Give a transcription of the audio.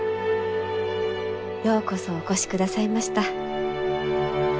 ようこそお越しくださいました。